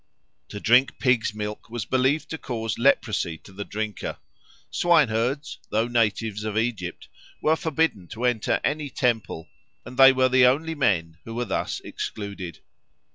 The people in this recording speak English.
To drink pig's milk was believed to cause leprosy to the drinker. Swineherds, though natives of Egypt, were forbidden to enter any temple, and they were the only men who were thus excluded.